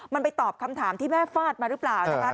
มันไปตอบคำถามที่แม่ฟาดมาหรือเปล่านะคะ